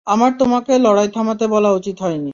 আমার তোমাকে লড়াই থামাতে বলা উচিত হয়নি।